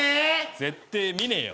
絶対見ねえよ。